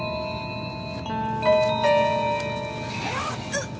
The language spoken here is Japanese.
うっ！